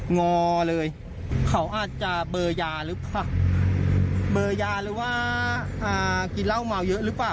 งอเลยเขาอาจจะเบอร์ยาหรือเปล่าเบอร์ยาหรือว่าอ่ากินเหล้าเมาเยอะหรือเปล่า